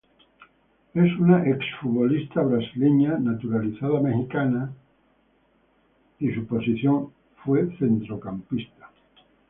Es un exfutbolista brasileño naturalizado mexicano su posición fue centrocampista.